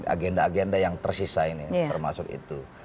agenda agenda yang tersisa ini termasuk itu